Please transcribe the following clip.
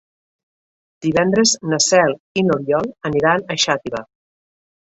Divendres na Cel i n'Oriol aniran a Xàtiva.